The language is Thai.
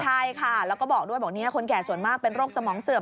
ใช่ค่ะแล้วก็บอกด้วยบอกคนแก่ส่วนมากเป็นโรคสมองเสื่อม